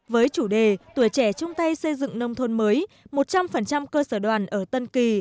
với chủ đề tuổi trẻ trung tay xây dựng nông thôn mới một trăm linh cơ sở đoàn ở tân kỳ